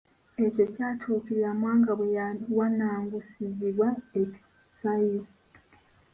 Ekyo kyatuukirira Mwanga bwe yawannangusirizibwa e Kisayu.